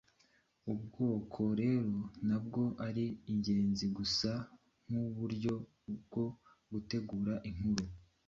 Ubwoko rero, ntabwo ari ingenzi gusa nkuburyo bwo gutegura inkuru,